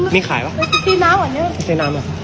มีขายเปล่า